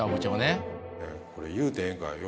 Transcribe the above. これ言うてええんかよ